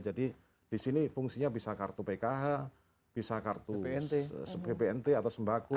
jadi di sini fungsinya bisa kartu pkh bisa kartu bpnt atau sembaku